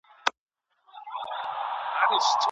د محصلینو لیلیه بې اسنادو نه ثبت کیږي.